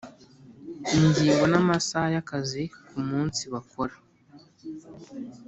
Ingingo n’Amasaha y Akazi ku munsi bakora.